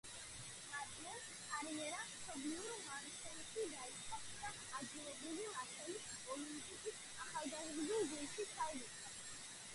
მატიემ კარიერა მშობლიურ მარსელში დაიწყო და ადგილობრივი „მარსელის ოლიმპიკის“ ახალგაზრდულ გუნდში ჩაირიცხა.